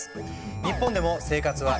日本でも生活は一変。